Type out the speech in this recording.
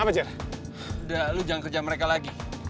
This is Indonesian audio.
udah lu jangan kerja mereka lagi